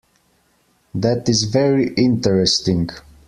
That is very interesting.